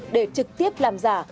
để trực tiếp làm giả